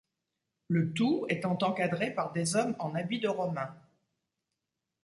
Le tout étant encadré par des hommes en habits de Romains.